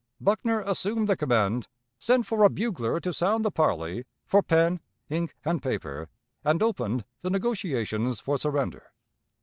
Buckner assumed the command, sent for a bugler to sound the parley, for pen, ink, and paper, and opened the negotiations for surrender.